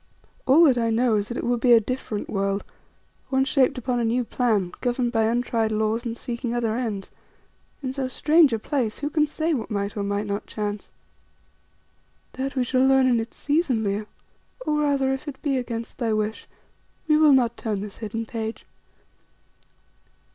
"All that I know is that it would be a different world, one shaped upon a new plan, governed by untried laws and seeking other ends. In so strange a place who can say what might or might not chance?" "That we shall learn in its season, Leo. Or, rather, if it be against thy wish, we will not turn this hidden page.